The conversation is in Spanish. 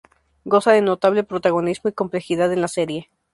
Goza de notable protagonismo y complejidad en la serie.